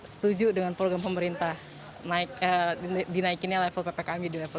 setuju dengan program pemerintah dinaikinnya level ppkm di level